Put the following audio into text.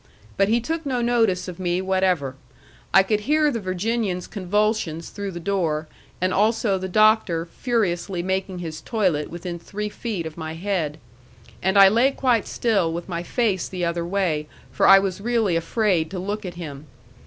But he took no notice of me whatever. I could hear the Virginian's convulsions through the door, and also the Doctor furiously making his toilet within three feet of my head; and I lay quite still with my face the other way, for I was really afraid to look at him.